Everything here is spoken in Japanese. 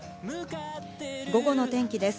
午後の天気です。